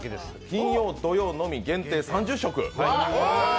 金曜土曜限定３０食。